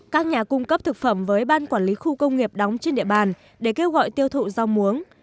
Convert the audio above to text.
các nhà cung cấp thực phẩm với ban quản lý khu công nghiệp đóng trên địa bàn để kêu gọi tiêu thụ rau muống